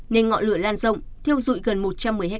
nên ngọn lửa lan rộng thiêu dụi gần một trăm một mươi hectare